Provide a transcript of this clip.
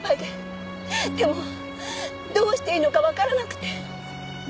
でもどうしていいのかわからなくて。